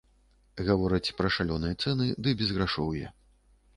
Гавораць пра шалёныя цэны ды безграшоўе.